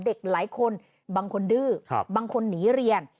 เด็กหลายคนบางคนดื้อบางคนหนีเรียน